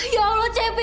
ya allah cepi